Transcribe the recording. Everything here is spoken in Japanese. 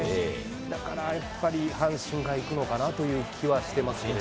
だからやっぱり、阪神が行くのかなという気はしてますけど。